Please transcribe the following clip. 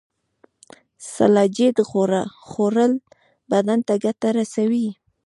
سلاجید خوړل بدن ته ګټه رسوي